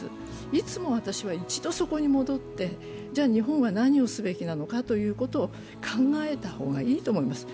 いつも私は一度そこに戻って、じゃ、日本は何をすべきなのかということを考えた方がいいと思います。